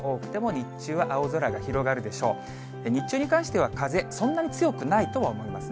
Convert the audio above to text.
日中に関しては風、そんなに強くないとは思いますね。